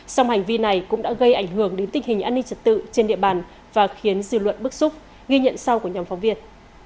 song hành vi này cũng đã gây ảnh hưởng đến tình hình an ninh trật tự trên địa bàn và khiến dư luận bức xúc ghi nhận sau của nhóm phóng viên